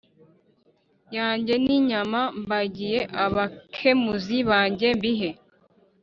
Yanjye n inyama mbagiye abakemuzi banjye mbihe